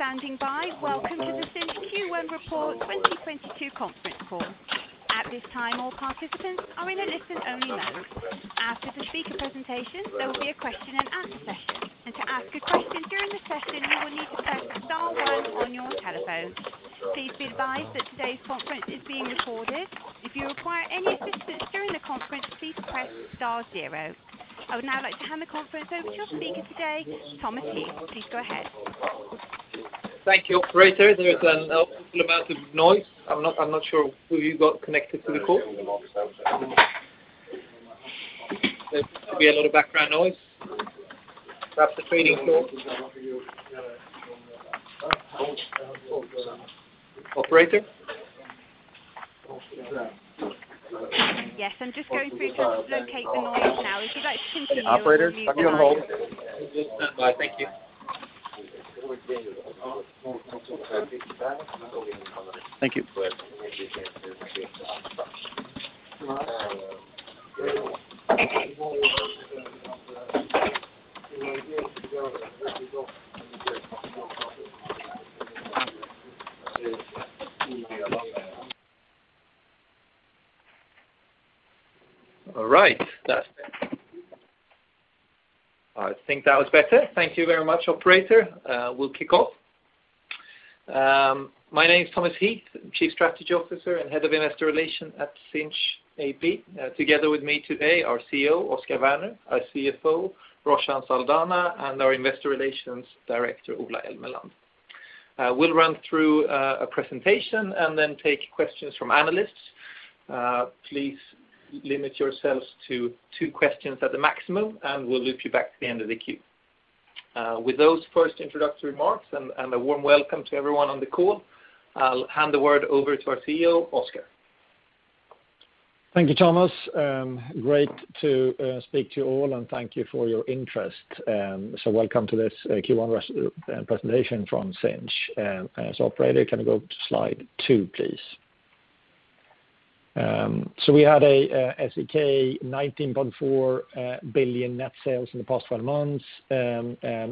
Thank you for standing by. Welcome to the Sinch Q1 Report 2022 conference call. At this time, all participants are in a listen-only mode. After the speaker presentation, there will be a question-and-answer session, and to ask a question during the session, you will need to press star one on your telephone. Please be advised that today's conference is being recorded. If you require any assistance during the conference, please press star zero. I would now like to hand the conference over to our speaker today, Thomas Heath. Please go ahead. Thank you, operator. There is an awful amount of noise. I'm not sure who you got connected to the call. There could be a lot of background noise. Perhaps a training call. Operator? Yes, I'm just going through to locate the noise now. If you'd like to pinch the nose for me. Operators? I can hold. Standby. Thank you. Thank you. All right. That's better. I think that was better. Thank you very much, operator. We'll kick off. My name is Thomas Heath. I'm Chief Strategy Officer and Head of Investor Relations at Sinch AB. Together with me today, our CEO, Oscar Werner, our CFO, Roshan Saldanha, and our Investor Relations Director, Ola Elmeland. We'll run through a presentation and then take questions from analysts. Please limit yourselves to two questions at the maximum, and we'll loop you back to the end of the queue. With those first introductory remarks and a warm welcome to everyone on the call, I'll hand the word over to our CEO, Oscar. Thank you, Thomas. Great to speak to you all, and thank you for your interest. Welcome to this Q1 presentation from Sinch. Operator, can we go to slide two, please? We had SEK 19.4 billion net sales in the past 12 months,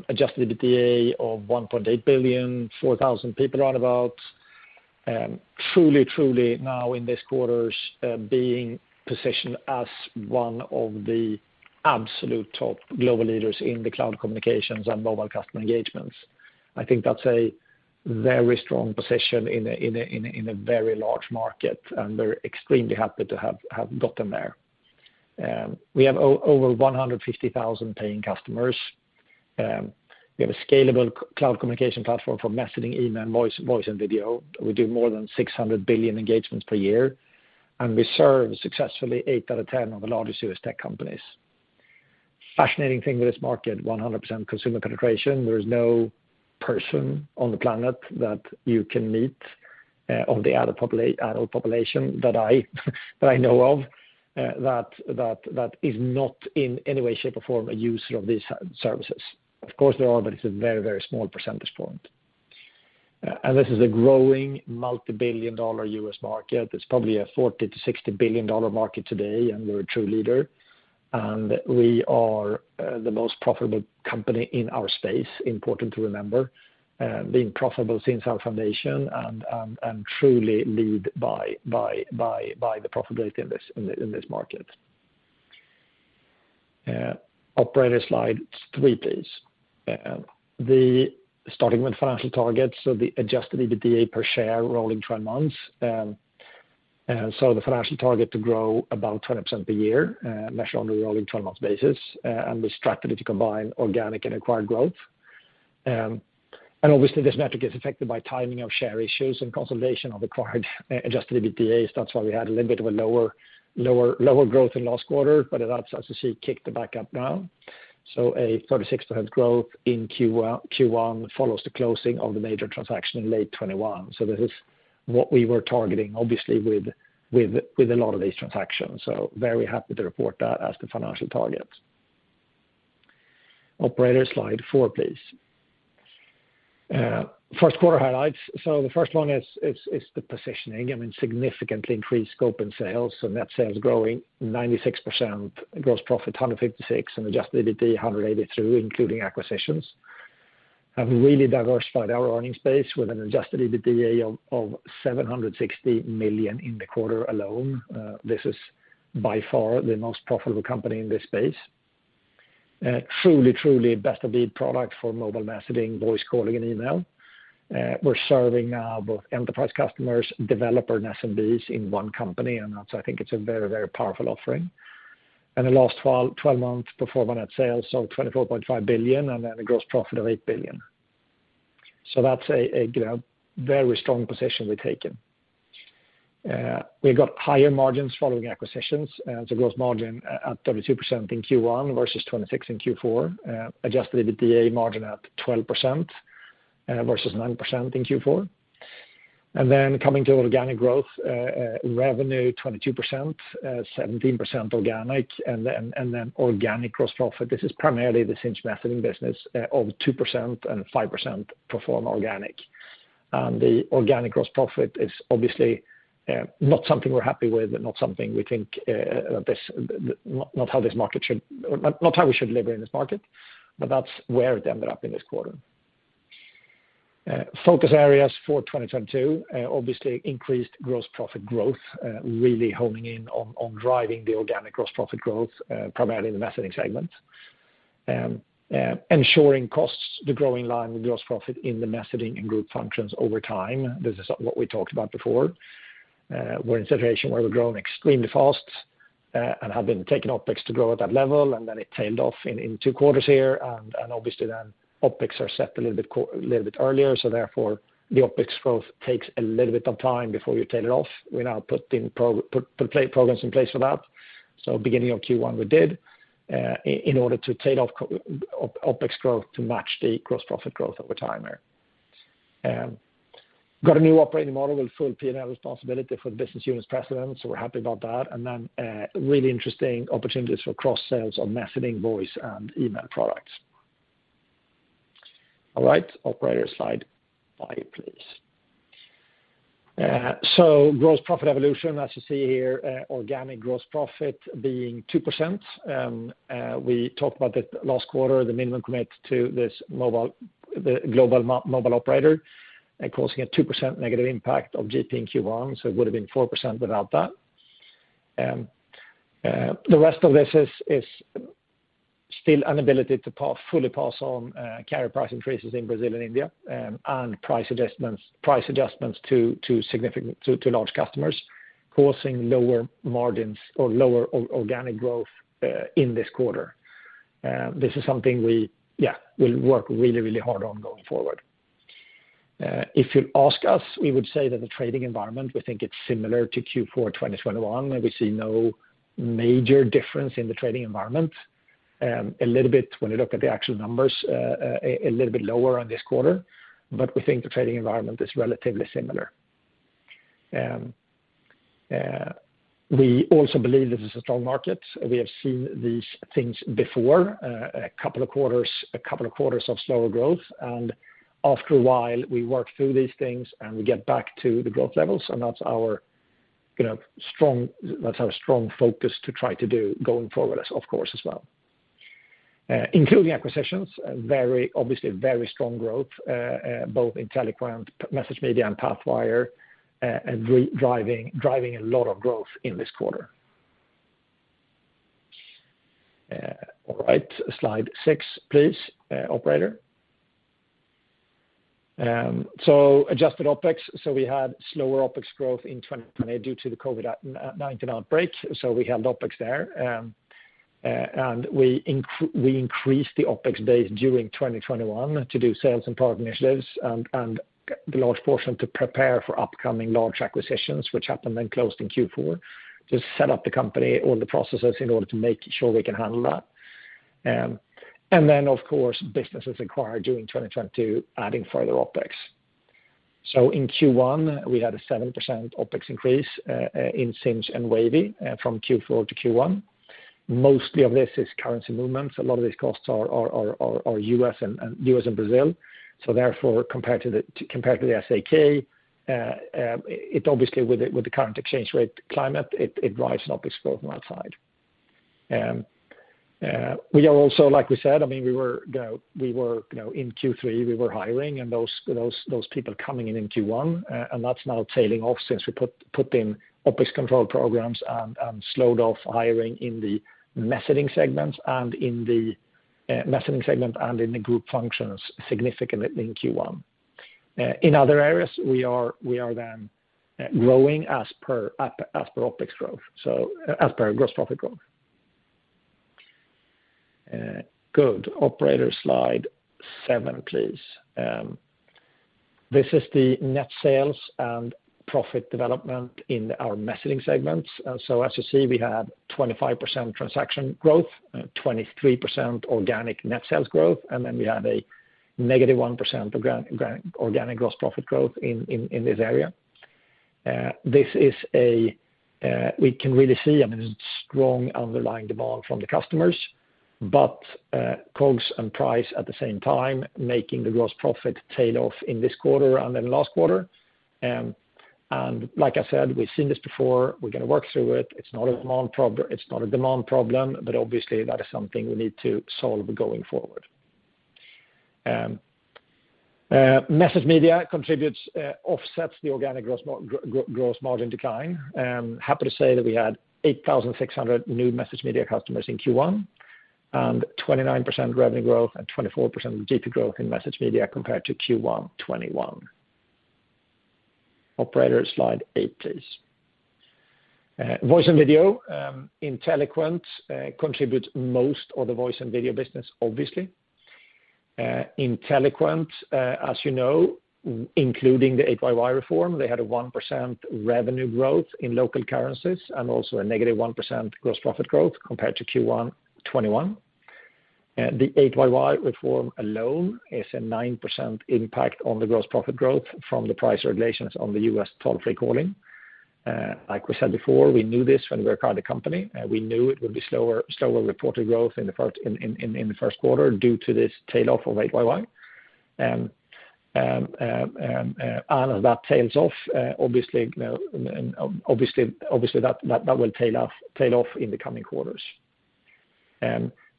Adjusted EBITDA of 1.8 billion, 4,000 people round about, truly now in this quarter's being positioned as one of the absolute top global leaders in the cloud communications and mobile customer engagements. I think that's a very strong position in a very large market, and we're extremely happy to have gotten there. We have over 150,000 paying customers. We have a scalable cloud communication platform for messaging, email, and voice and video. We do more than 600 billion engagements per year, and we serve successfully eight out of 10 of the largest US tech companies. Fascinating thing with this market, 100% consumer penetration. There is no person on the planet that you can meet of the adult population that I know of that is not in any way, shape, or form a user of these services. Of course, there are, but it's a very small percentage point. This is a growing multi-billion-dollar US market. It's probably a $40 billion-$60 billion market today, and we're a true leader. We are the most profitable company in our space, important to remember. Being profitable since our foundation and truly lead by the profitability in this market. Operator, slide three, please. Starting with financial targets, the Adjusted EBITDA per share rolling 12 months. The financial target to grow about 20% per year, measured on a rolling 12-month basis, and our strategies to combine organic and acquired growth. Obviously, this metric is affected by timing of share issues and consolidation of acquired Adjusted EBITDA. That's why we had a little bit of a lower growth in last quarter. That's, as you see, kicked back up now. A 36% growth in Q1 follows the closing of the major transaction in late 2021. This is what we were targeting, obviously, with a lot of these transactions. Very happy to report that as the financial target. Operator, slide four, please. First quarter highlights. The first one is the positioning. I mean, significantly increased scope in sales. Net sales growing 96%. Gross profit 156%, and Adjusted EBITDA 182%, including acquisitions. Have really diversified our earnings base with an Adjusted EBITDA of 760 million in the quarter alone. This is by far the most profitable company in this space. Truly best-of-breed product for mobile messaging, voice calling, and email. We're serving both enterprise customers, developer, and SMBs in one company, and that's why I think it's a very powerful offering. The last twelve months performance net sales of 24.5 billion and then a gross profit of 8 billion. That's, you know, a very strong position we've taken. We got higher margins following acquisitions. Gross margin at 32% in Q1 versus 26% in Q4. Adjusted EBITDA margin at 12% versus 9% in Q4. Coming to organic growth, revenue, 22%, 17% organic. Organic gross profit, this is primarily the Sinch messaging business, of 2% and 5% performed organically. The organic gross profit is obviously not something we're happy with, but not something we think, not how we should live in this market, but that's where it ended up in this quarter. Focus areas for 2022, obviously increased gross profit growth, really honing in on driving the organic gross profit growth, primarily in the messaging segment. Ensuring costs grow in line with gross profit in the messaging and group functions over time. This is what we talked about before. We're in a situation where we're growing extremely fast, and have been taking OpEx to grow at that level, and then it tailed off in two quarters here. Obviously then OpEx are set a little bit earlier, so therefore the OpEx growth takes a little bit of time before you tail it off. We're now putting programs in place for that. Beginning of Q1 we did in order to tail off OpEx growth to match the gross profit growth over time there. Got a new operating model with full P&L responsibility for the business units presidents, so we're happy about that. Really interesting opportunities for cross sales on messaging, voice, and email products. All right, operator, slide five, please. Gross profit evolution, as you see here, organic gross profit being 2%. We talked about that last quarter, the minimum commitment to this mobile, the global mobile operator, causing a 2% negative impact of GP in Q1, so it would have been 4% without that. The rest of this is still an ability to partially pass on carrier price increases in Brazil and India, and price adjustments to significant, to large customers, causing lower margins or lower organic growth in this quarter. This is something we will work really hard on going forward. If you ask us, we would say that the trading environment, we think it's similar to Q4 2021. We see no major difference in the trading environment. A little bit when you look at the actual numbers, a little bit lower in this quarter, but we think the trading environment is relatively similar. We also believe this is a strong market. We have seen these things before, a couple of quarters of slower growth. After a while, we work through these things, and we get back to the growth levels. That's our, you know, strong focus to try to do going forward, of course, as well. Including acquisitions, very obviously very strong growth, both Inteliquent, MessageMedia, and Pathwire, and driving a lot of growth in this quarter. All right, slide six, please, operator. Adjusted OpEx. We had slower OpEx growth in 2020 due to the COVID-19 outbreak, so we held OpEx there. We increased the OpEx base during 2021 to do sales and product initiatives and the large portion to prepare for upcoming large acquisitions, which happened then closed in Q4, to set up the company, all the processes in order to make sure we can handle that. Of course, businesses acquired during 2022, adding further OpEx. In Q1, we had a 7% OpEx increase in Sinch and Wavy from Q4 to Q1. Most of this is currency movements. A lot of these costs are U.S. and Brazil. Therefore, compared to the SEK, it obviously with the current exchange rate climate, it drives an OpEx growth from outside. We are also, like we said, I mean, we were, you know, in Q3, we were hiring, and those people coming in in Q1, and that's now tailing off since we put in OpEx control programs and slowed down hiring in the messaging segment and in the group functions significantly in Q1. In other areas, we are then growing as per OpEx growth, so as per gross profit growth. Good. Operator, slide seven, please. This is the net sales and profit development in our messaging segments. So as you see, we had 25% transaction growth, 23% organic net sales growth, and then we had a -1% organic gross profit growth in this area. We can really see, I mean, strong underlying demand from the customers, but costs and price at the same time making the gross profit tail off in this quarter and in last quarter. Like I said, we've seen this before. We're gonna work through it. It's not a demand problem, but obviously that is something we need to solve going forward. Message Media contributes, offsets the organic gross margin decline. Happy to say that we had 8,600 new Message Media customers in Q1 and 29% revenue growth and 24% GP growth in Message Media compared to Q1 2021. Operator, slide 8, please. Voice and video, Inteliquent, contributes most of the voice and video business, obviously. Inteliquent, as you know, including the 8YY reform, they had 1% revenue growth in local currencies and also a -1% gross profit growth compared to Q1 2021. The 8YY reform alone is a 9% impact on the gross profit growth from the price regulations on the US toll-free calling. Like we said before, we knew this when we acquired the company. We knew it would be slower reported growth in the first quarter due to this tail off of 8YY. As that tails off, obviously, you know, that will tail off in the coming quarters.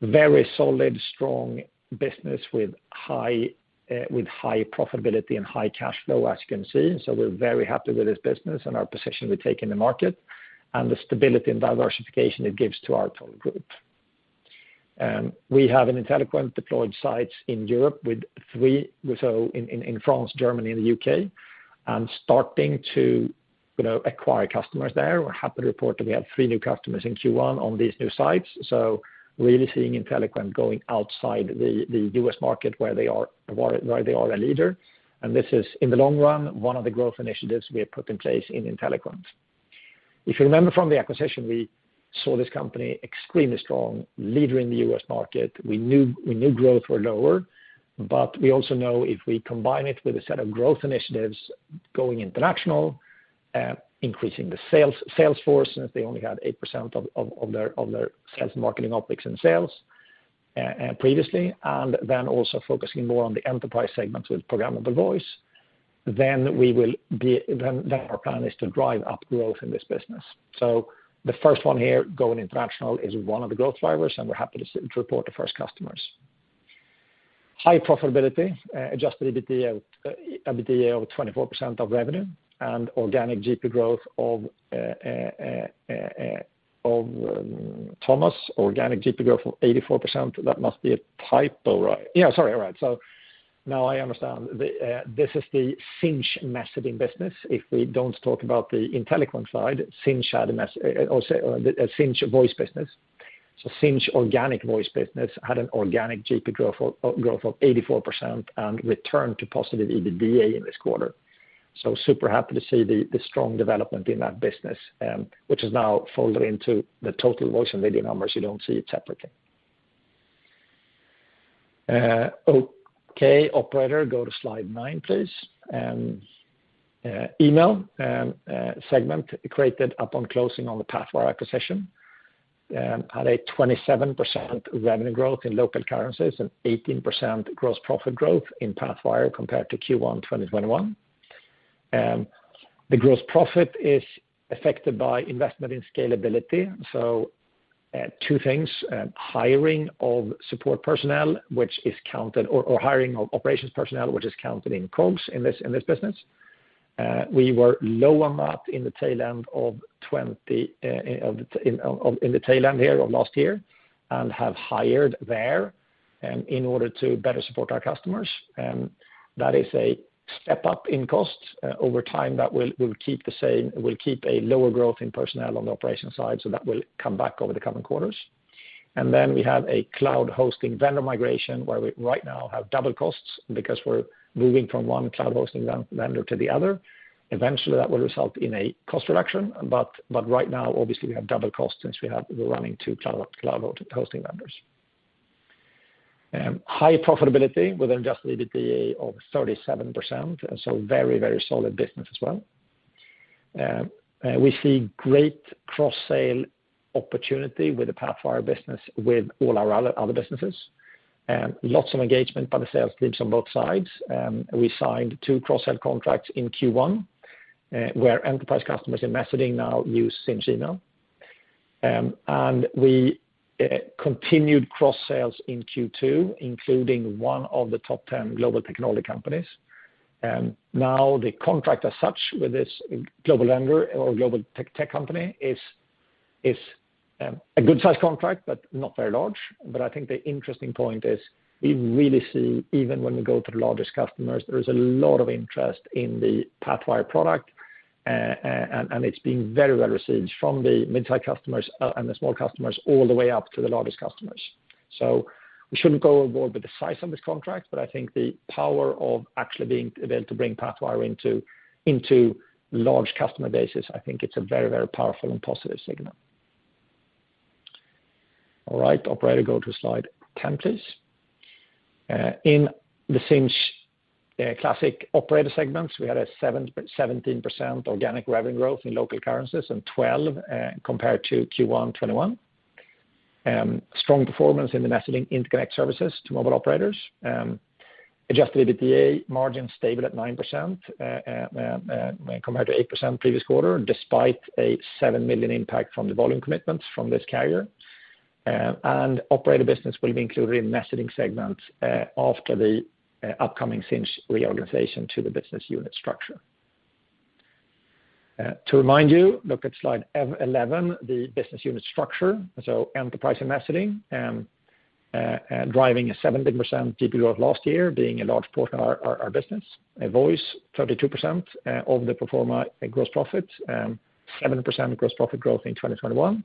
Very solid, strong business with high profitability and high cash flow, as you can see. We're very happy with this business and our position we take in the market, and the stability and diversification it gives to our total group. We have an Inteliquent deployed sites in Europe with three, so in France, Germany, and the U.K., and starting to, you know, acquire customers there. We're happy to report that we have three new customers in Q1 on these new sites. Really seeing Inteliquent going outside the U.S. market where they are a leader. This is, in the long run, one of the growth initiatives we have put in place in Inteliquent. If you remember from the acquisition, we saw this company extremely strong, leader in the U.S. market. We knew growth were lower, but we also know if we combine it with a set of growth initiatives going international, increasing the sales force, since they only had 8% of their sales marketing OpEx and sales previously, and then also focusing more on the enterprise segments with programmable voice, our plan is to drive up growth in this business. The first one here, going international, is one of the growth drivers, and we're happy to report the first customers. High profitability, Adjusted EBITDA of 24% of revenue and organic GP growth of 84%. That must be a typo, right? Yeah, sorry. All right. Now I understand. This is the Sinch messaging business. If we don't talk about the Inteliquent side, Sinch had also the Sinch voice business. Sinch organic voice business had an organic GP growth of 84% and returned to positive EBITDA in this quarter. Super happy to see the strong development in that business, which is now folded into the total voice and video numbers. You don't see it separately. Okay, operator, go to slide 9, please. Email segment created upon closing on the Pathwire acquisition had a 27% revenue growth in local currencies and 18% gross profit growth in Pathwire compared to Q1 2021. The gross profit is affected by investment in scalability. Two things, hiring of support personnel, which is counted or hiring of operations personnel, which is counted in COGS in this business. We were low on that in the tail end of 2020, in the tail end here of last year and have hired there in order to better support our customers. That is a step up in costs. Over time, that will keep a lower growth in personnel on the operations side, so that will come back over the coming quarters. Then we have a cloud hosting vendor migration where we right now have double costs because we're moving from one cloud hosting vendor to the other. Eventually, that will result in a cost reduction, but right now, obviously we have double costs since we're running two cloud hosting vendors. High profitability with an Adjusted EBITDA of 37%, so very solid business as well. We see great cross-sale opportunity with the Pathwire business with all our other businesses. Lots of engagement by the sales teams on both sides. We signed two cross-sale contracts in Q1, where enterprise customers in messaging now use Sinch email. We continued cross sales in Q2, including one of the top 10 global technology companies. Now the contract as such with this global vendor or global tech company is a good size contract, but not very large. I think the interesting point is we really see even when we go to the largest customers, there is a lot of interest in the Pathwire product, and it's being very well received from the mid-size customers, and the small customers all the way up to the largest customers. We shouldn't go overboard with the size of this contract, but I think the power of actually being able to bring Pathwire into large customer bases, I think it's a very powerful and positive signal. All right, operator, go to slide 10, please. In the Sinch classic operator segments, we had 17% organic revenue growth in local currencies and 12% compared to Q1 2021. Strong performance in the messaging interconnect services to mobile operators. Adjusted EBITDA margin stable at 9% compared to 8% previous quarter, despite a 7 million impact from the volume commitments from this carrier. Operator business will be included in messaging segment after the upcoming Sinch reorganization to the business unit structure. To remind you, look at slide 11, the business unit structure. Enterprise and messaging driving a 17% GP growth last year, being a large portion of our business. Voice, 32% of the pro forma gross profit, 7% gross profit growth in 2021.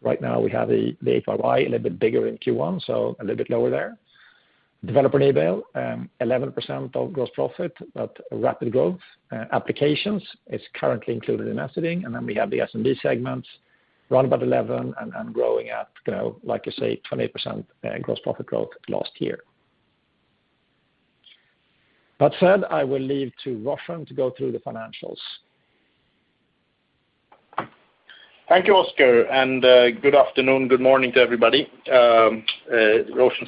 Right now, we have the 8YY a little bit bigger in Q1, so a little bit lower there. Developer enablement, 11% of gross profit, but rapid growth. Applications is currently included in messaging, and then we have the SMB segments round about 11 and growing at, you know, like I say, 28% gross profit growth last year. That said, I will leave it to Roshan to go through the financials. Thank you, Oscar. Good afternoon, good morning to everybody. Roshan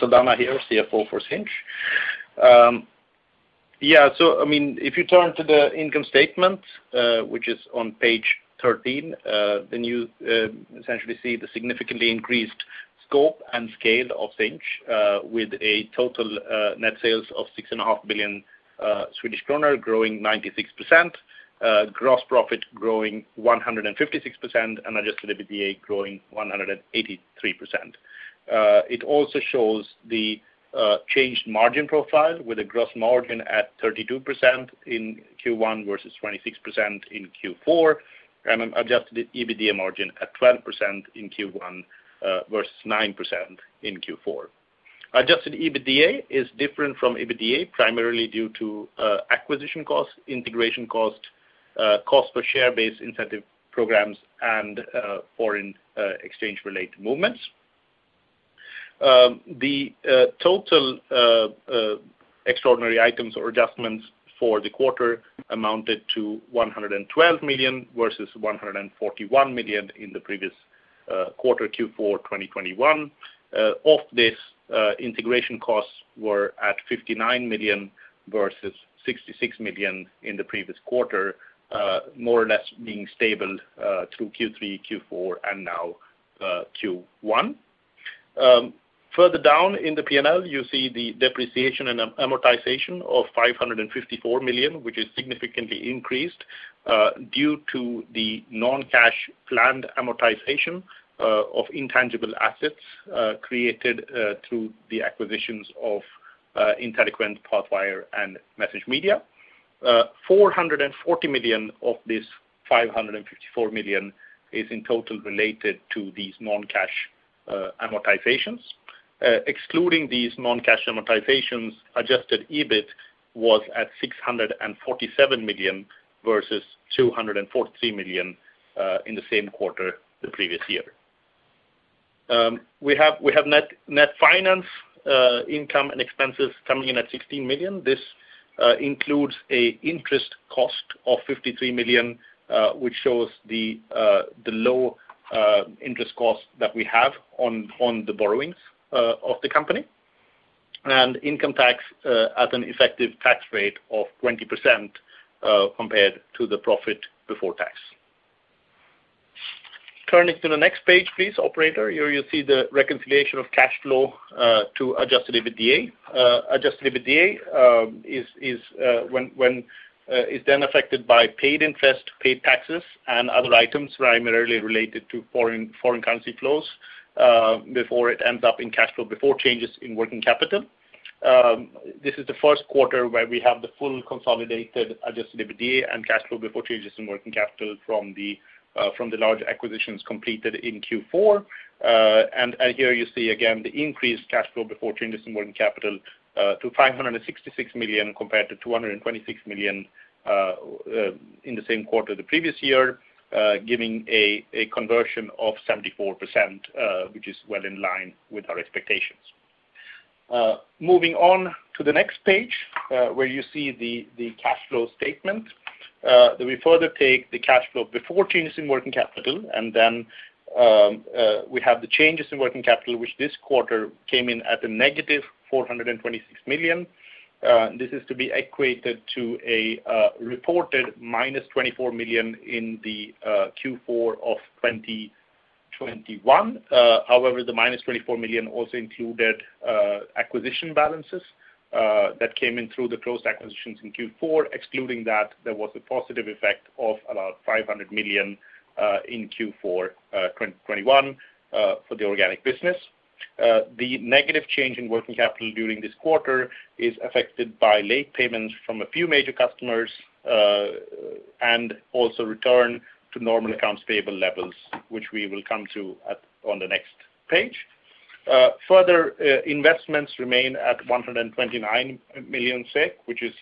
Saldanha here, CFO for Sinch. I mean, if you turn to the income statement, which is on page 13, then you essentially see the significantly increased scope and scale of Sinch, with a total net sales of 6.5 billion Swedish kroner growing 96%, gross profit growing 156%, and Adjusted EBITDA growing 183%. It also shows the changed margin profile with a gross margin at 32% in Q1 versus 26% in Q4, and an Adjusted EBITDA margin at 12% in Q1 versus 9% in Q4. Adjusted EBITDA is different from EBITDA, primarily due to acquisition costs, integration costs per share-based incentive programs, and foreign exchange related movements. The total extraordinary items or adjustments for the quarter amounted to 112 million, versus 141 million in the previous quarter, Q4 2021. Of this, integration costs were at 59 million versus 66 million in the previous quarter, more or less being stable through Q3, Q4, and now Q1. Further down in the P&L, you see the depreciation and amortization of 554 million, which is significantly increased due to the non-cash planned amortization of intangible assets created through the acquisitions of Inteliquent, Pathwire, and MessageMedia. 440 million of this 554 million is in total related to these non-cash amortizations. Excluding these non-cash amortizations, adjusted EBIT was at 647 million versus 243 million in the same quarter the previous year. We have net finance income and expenses coming in at 16 million. This includes an interest cost of 53 million, which shows the low interest cost that we have on the borrowings of the company. Income tax at an effective tax rate of 20% compared to the profit before tax. Turning to the next page, please, operator. Here you see the reconciliation of cash flow to Adjusted EBITDA. Adjusted EBITDA is then affected by paid interest, paid taxes, and other items primarily related to foreign currency flows before it ends up in cash flow before changes in working capital. This is the first quarter where we have the full consolidated Adjusted EBITDA and cash flow before changes in working capital from the large acquisitions completed in Q4. Here you see again the increased cash flow before changes in working capital to 566 million, compared to 226 million in the same quarter the previous year, giving a conversion of 74%, which is well in line with our expectations. Moving on to the next page, where you see the cash flow statement. We further take the cash flow before changes in working capital, and we have the changes in working capital, which this quarter came in at a negative 426 million. This is to be equated to a reported minus 24 million in the Q4 of 2021. However, the minus 24 million also included acquisition balances that came in through the closed acquisitions in Q4. Excluding that, there was a positive effect of about 500 million in Q4 2021 for the organic business. The negative change in working capital during this quarter is affected by late payments from a few major customers and also return to normal accounts payable levels, which we will come to on the next page. Further, investments remain at 129 million SEK, which is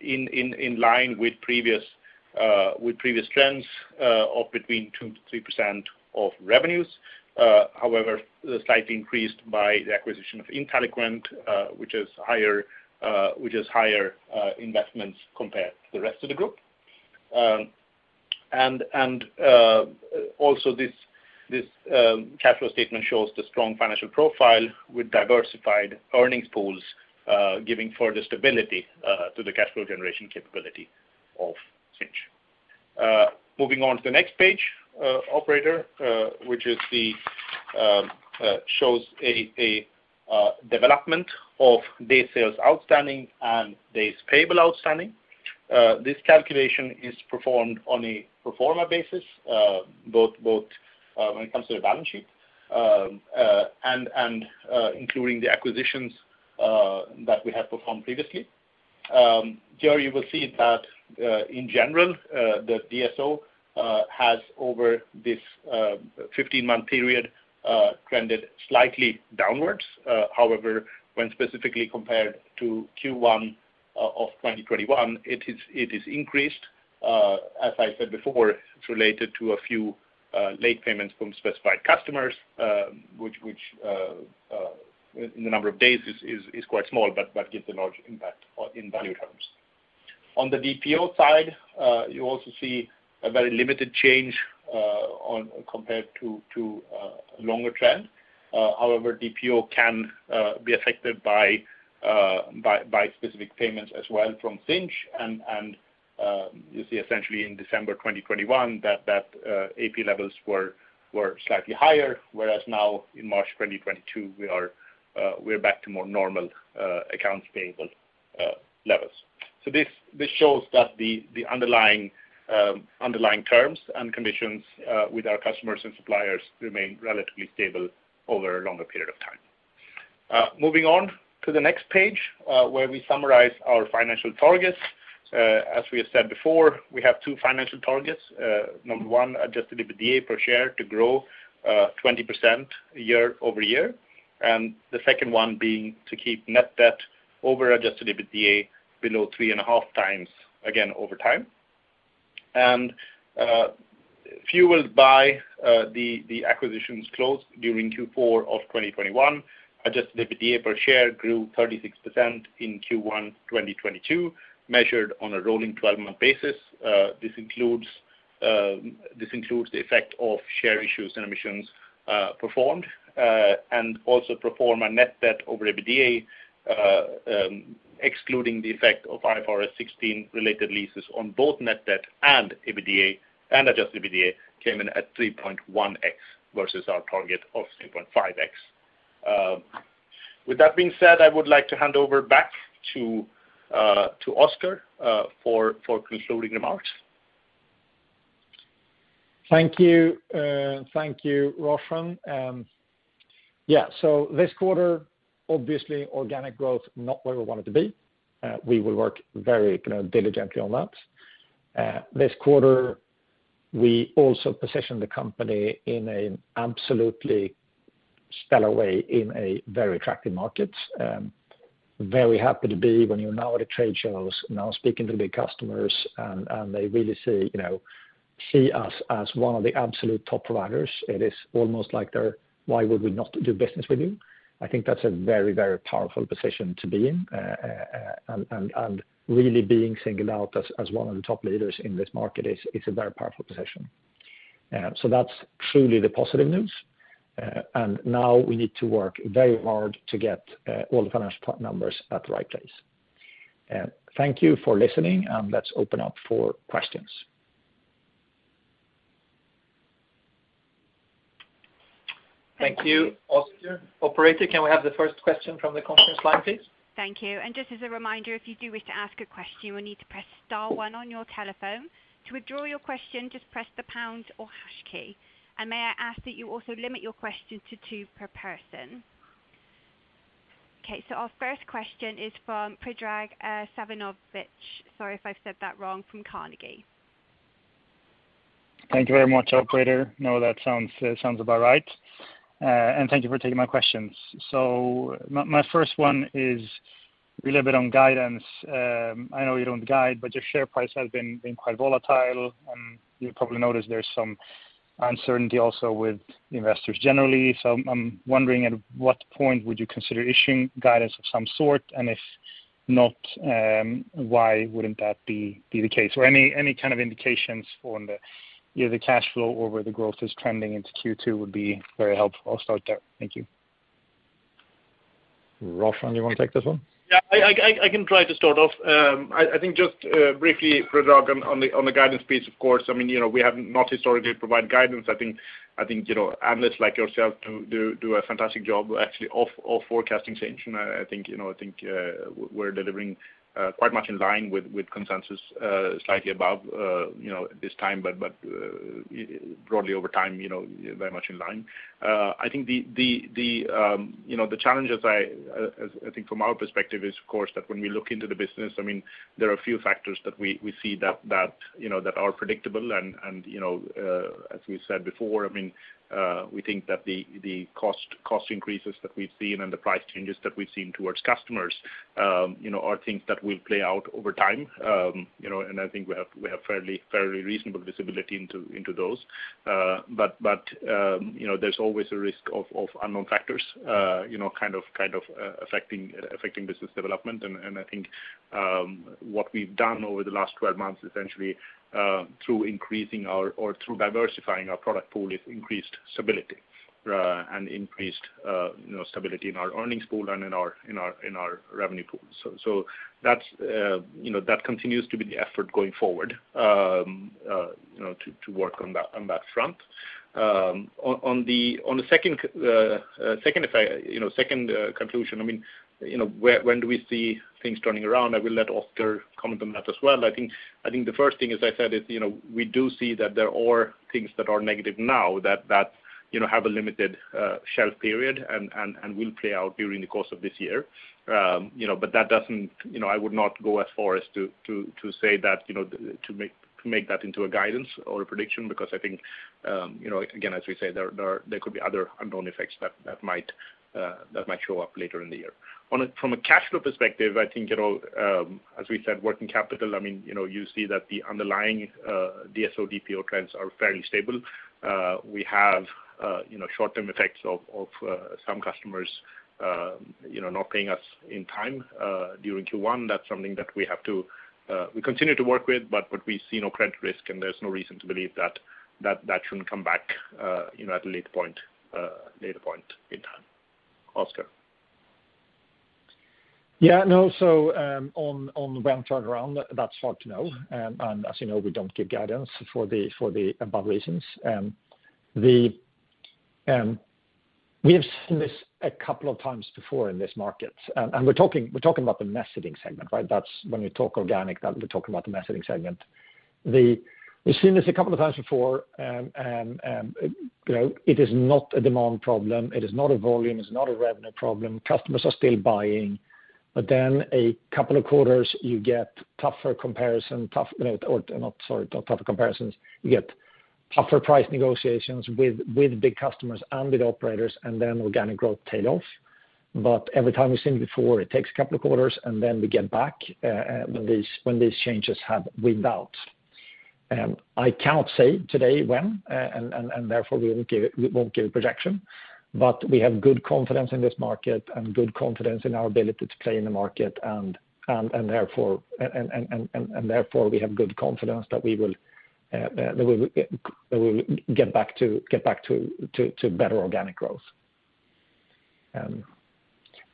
in line with previous trends of between 2%-3% of revenues. However, slightly increased by the acquisition of Inteliquent, which is higher investments compared to the rest of the group. Also this cash flow statement shows the strong financial profile with diversified earnings pools, giving further stability to the cash flow generation capability of Sinch. Moving on to the next page, operator, which shows a development of day sales outstanding and days payable outstanding. This calculation is performed on a pro forma basis, both when it comes to the balance sheet and including the acquisitions that we have performed previously. Here you will see that, in general, the DSO has over this 15-month period trended slightly downwards. However, when specifically compared to Q1 of 2021, it is increased. As I said before, it's related to a few late payments from specified customers, which the number of days is quite small, but that gives a large impact in value terms. On the DPO side, you also see a very limited change compared to longer trend. However, DPO can be affected by specific payments as well from Sinch. You see essentially in December 2021 that AP levels were slightly higher, whereas now in March 2022 we are back to more normal accounts payable levels. This shows that the underlying terms and conditions with our customers and suppliers remain relatively stable over a longer period of time. Moving on to the next page, where we summarize our financial targets. As we have said before, we have two financial targets. Number one, Adjusted EBITDA per share to grow 20% year-over-year, and the second one being to keep net debt over Adjusted EBITDA below 3.5x again over time. Fueled by the acquisitions closed during Q4 of 2021, Adjusted EBITDA per share grew 36% in Q1 2022, measured on a rolling 12-month basis. This includes the effect of share issues and emissions performed, and also pro forma net debt over EBITDA, excluding the effect of IFRS 16 related leases on both net debt and EBITDA, and Adjusted EBITDA came in at 3.1x versus our target of 3.5x. With that being said, I would like to hand over back to Oscar for concluding remarks. Thank you. Thank you, Roshan. Yeah, this quarter, obviously organic growth, not where we want it to be. We will work very, you know, diligently on that. This quarter, we also positioned the company in an absolutely stellar way in a very attractive market. Very happy to be when you're now at trade shows, now speaking to big customers and they really see, you know, us as one of the absolute top providers. It is almost like they're, "Why would we not do business with you?" I think that's a very, very powerful position to be in. And really being singled out as one of the top leaders in this market is a very powerful position. That's truly the positive news. Now we need to work very hard to get all the financial numbers at the right place. Thank you for listening, and let's open up for questions. Thank you, Oscar. Operator, can we have the first question from the conference line, please? Thank you. Just as a reminder, if you do wish to ask a question, you will need to press star one on your telephone. To withdraw your question, just press the pound or hash key. May I ask that you also limit your question to two per person? Okay, our first question is from Predrag Savinovic, sorry if I've said that wrong, from Carnegie. Thank you very much, operator. No, that sounds about right. Thank you for taking my questions. My first one is a little bit on guidance. I know you don't guide, but your share price has been quite volatile, and you'll probably notice there's some uncertainty also with investors generally. I'm wondering at what point would you consider issuing guidance of some sort, and if not, why wouldn't that be the case? Any kind of indications on the, you know, the cash flow or where the growth is trending into Q2 would be very helpful. I'll start there. Thank you. Roshan, do you wanna take this one? Yeah, I can try to start off. I think just briefly, Predrag, on the guidance piece, of course, I mean, you know, we have not historically provided guidance. I think, you know, analysts like yourself do a fantastic job actually of forecasting change. I think, you know, I think, we're delivering quite much in line with consensus, slightly above, you know, at this time, but broadly over time, you know, very much in line. I think, you know, the challenges, as I think from our perspective, is of course that when we look into the business. I mean, there are a few factors that we see that, you know, that are predictable and, you know, as we said before. I mean, we think that the cost increases that we've seen and the price changes that we've seen towards customers, you know, are things that will play out over time. You know, I think we have fairly reasonable visibility into those. You know, there's always a risk of unknown factors, you know, kind of affecting business development. I think what we've done over the last 12 months essentially through diversifying our product pool is increased stability and increased you know stability in our earnings pool and in our revenue pool. That's you know that continues to be the effort going forward you know to work on that front. On the second conclusion, I mean you know when do we see things turning around? I will let Oscar comment on that as well. I think the first thing is, you know, we do see that there are things that are negative now that you know have a limited shelf period and will play out during the course of this year. You know, that doesn't. You know, I would not go as far as to say that, you know, to make that into a guidance or a prediction because I think, you know, again, as we say, there could be other unknown effects that might show up later in the year. From a cash flow perspective, I think, you know, as we said, working capital, I mean, you know, you see that the underlying DSO, DPO trends are fairly stable. We have, you know, short-term effects of some customers, you know, not paying us in time during Q1. That's something that we continue to work with, but what we see, no credit risk and there's no reason to believe that that shouldn't come back, you know, at a later point in time. Oscar. Yeah, no. On when turnaround, that's hard to know. As you know, we don't give guidance for the above reasons. We have seen this a couple of times before in this market, and we're talking about the messaging segment, right? That's when we talk organic, that we're talking about the messaging segment. We've seen this a couple of times before. You know, it is not a demand problem. It is not a volume, it's not a revenue problem. Customers are still buying. Then a couple of quarters, you get tougher comparison, you know, or not. Sorry, not tougher comparisons. You get tougher price negotiations with big customers and with operators, and then organic growth tail off. Every time we've seen before, it takes a couple of quarters, and then we get back when these changes have weeded out. I cannot say today when, and therefore we won't give a projection. We have good confidence in this market and good confidence in our ability to play in the market, and therefore we have good confidence that we will get back to better organic growth. On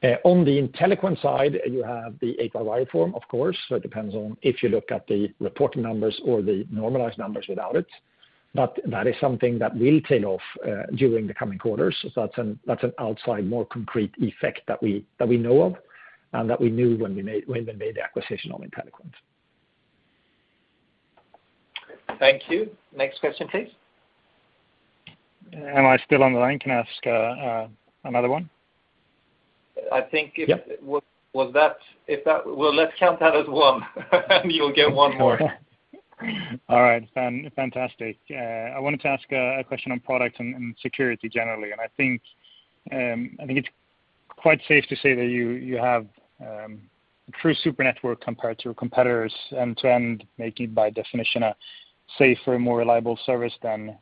the Inteliquent side, you have the 8YY reform, of course. So it depends on if you look at the reporting numbers or the normalized numbers without it. That is something that will tail off during the coming quarters. That's an outside more concrete effect that we know of, and that we knew when we made the acquisition of Inteliquent. Thank you. Next question, please. Am I still on the line? Can I ask another one? I think if. Yep. Well, let's count that as one. You'll get one more. Fantastic. I wanted to ask a question on product and security generally. I think it's quite safe to say that you have true super network compared to your competitors end to end, making by definition a safer and more reliable service than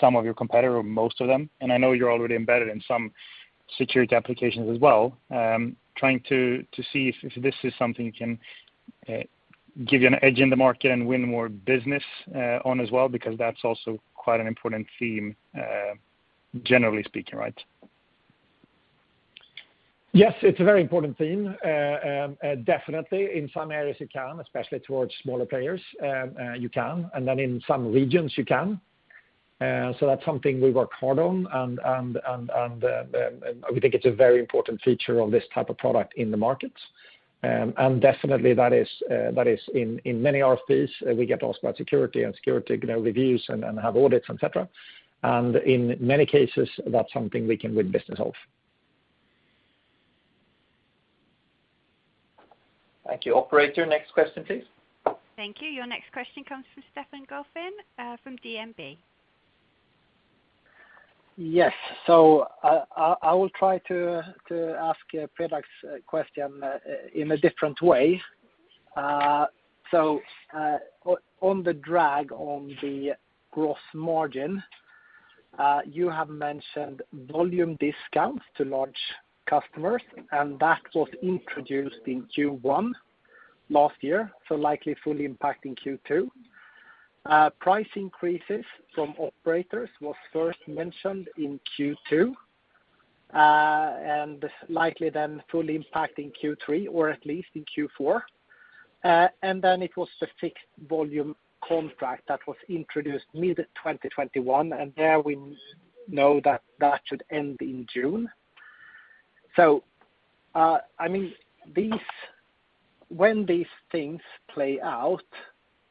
some of your competitors or most of them. I know you're already embedded in some security applications as well. Trying to see if this is something that can give you an edge in the market and win more business as well, because that's also quite an important theme generally speaking, right? Yes, it's a very important theme. Definitely in some areas you can, especially towards smaller players, you can. Then in some regions you can. That's something we work hard on. We think it's a very important feature of this type of product in the market. Definitely that is in many RFPs, we get asked about security, you know, reviews and have audits, et cetera. In many cases, that's something we can win business of. Thank you. Operator, next question, please. Thank you. Your next question comes from Stefan Gauffin from DNB. Yes. I will try to ask Fredrik's question in a different way. On the drag on the growth margin, you have mentioned volume discounts to large customers, and that was introduced in Q1 last year, so likely fully impacting Q2. Price increases from operators was first mentioned in Q2, and likely then fully impacting Q3, or at least in Q4. Then it was the fixed volume contract that was introduced mid-2021, and there we know that should end in June. I mean, these, when these things play out,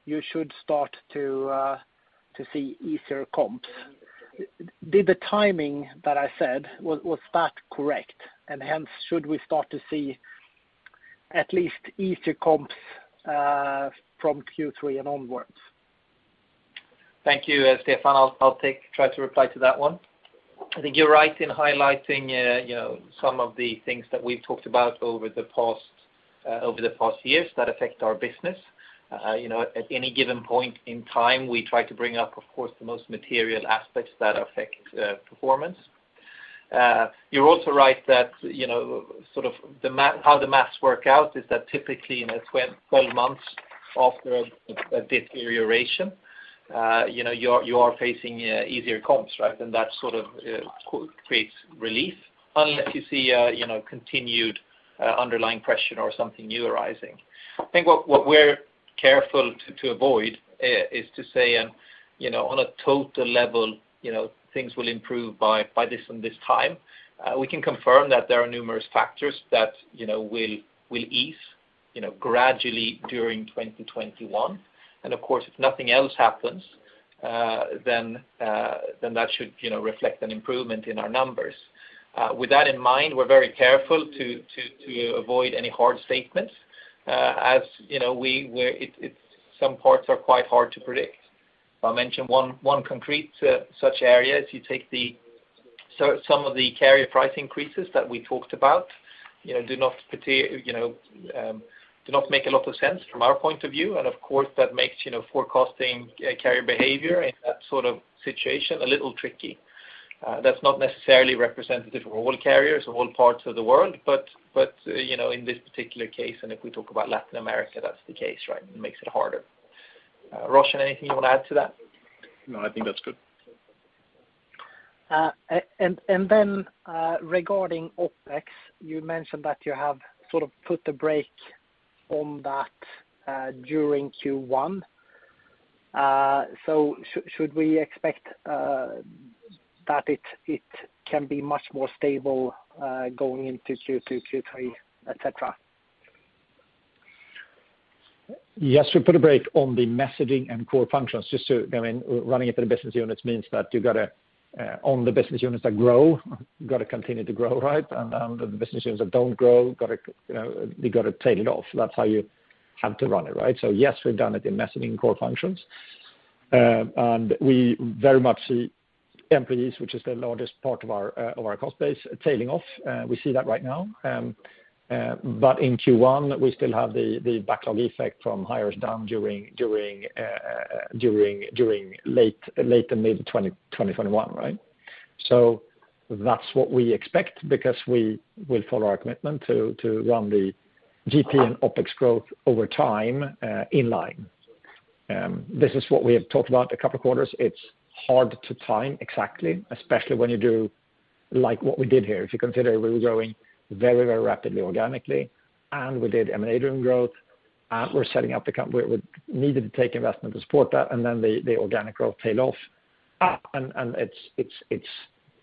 you should start to see easier comps. Did the timing that I said, was that correct? Hence, should we start to see at least easier comps from Q3 and onwards? Thank you. Stefan, I'll try to reply to that one. I think you're right in highlighting, you know, some of the things that we've talked about over the past years that affect our business. You know, at any given point in time, we try to bring up, of course, the most material aspects that affect performance. You're also right that, you know, sort of how the math works out is that typically 12 months after a deterioration, you know, you are facing easier comps, right? That sort of creates relief unless you see, you know, continued underlying pressure or something new arising. I think what we're careful to avoid is to say, you know, on a total level, you know, things will improve by this and this time. We can confirm that there are numerous factors that, you know, will ease, you know, gradually during 2021. Of course, if nothing else happens, then that should, you know, reflect an improvement in our numbers. With that in mind, we're very careful to avoid any hard statements. As you know, we're, it, some parts are quite hard to predict. If I mention one concrete such area, so some of the carrier price increases that we talked about, you know, do not make a lot of sense from our point of view. Of course, that makes, you know, forecasting carrier behavior in that sort of situation a little tricky. That's not necessarily representative of all carriers or all parts of the world, but, you know, in this particular case, and if we talk about Latin America, that's the case, right? It makes it harder. Roshan, anything you wanna add to that? No, I think that's good. Regarding OpEx, you mentioned that you have sort of put the brake on that during Q1. Should we expect that it can be much more stable going into Q2, Q3, et cetera? Yes, we put a brake on the messaging and core functions just to, I mean, running it through the business units means that you gotta own the business units that grow, gotta continue to grow, right? And the business units that don't grow, gotta, you know, they gotta tail it off. That's how you have to run it, right? Yes, we've done it in messaging core functions. And we very much see employees, which is the largest part of our cost base tailing off. We see that right now. But in Q1, we still have the backlog effect from hires down during late and mid 2021, right? That's what we expect because we will follow our commitment to run the GP and OpEx growth over time in line. This is what we have talked about a couple quarters. It's hard to time exactly, especially when you do like what we did here. If you consider we were growing very, very rapidly organically, and we did M&A driven growth, and we needed to take investment to support that, and then the organic growth tail off.